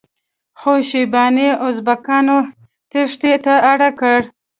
خو شیباني ازبکانو تیښتې ته اړ کړ.